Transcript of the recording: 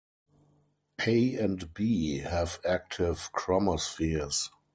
A and B have active chromospheres.